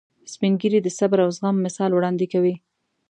سپین ږیری د صبر او زغم مثال وړاندې کوي